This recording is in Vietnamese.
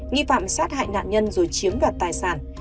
nghi phạm sát hại nạn nhân dù không có nguyên nhân